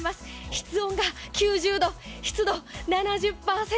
室温が９０度、湿度７０％